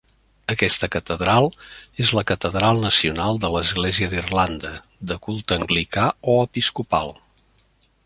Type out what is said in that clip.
Aquesta catedral és la Catedral Nacional de l'Església d'Irlanda, de culte Anglicà o Episcopal.